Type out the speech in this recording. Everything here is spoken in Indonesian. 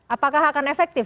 apakah akan efektif